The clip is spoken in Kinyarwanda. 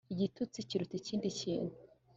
igitutsi kiruta ikindi kintu